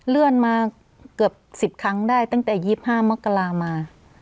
เลื่อนมาเกือบ๑๐ครั้งได้ตั้งแต่๒๕มกรามา